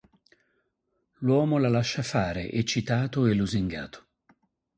L'uomo la lascia fare, eccitato e lusingato.